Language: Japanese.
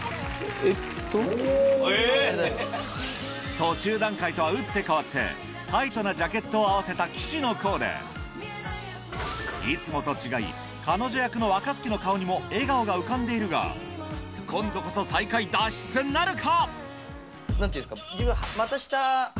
途中段階とは打って変わってタイトなジャケットを合わせた岸のコーデいつもと違い彼女役の若槻の顔にも笑顔が浮かんでいるが今度こそ最下位脱出なるか⁉